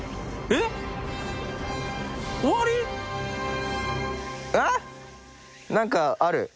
えっ何かある。